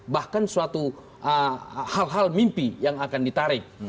bahkan suatu hal hal mimpi yang akan ditarik